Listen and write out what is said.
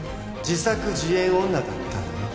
自作自演女だったのよ